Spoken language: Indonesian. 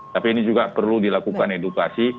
tapi ini juga perlu dilakukan edukasi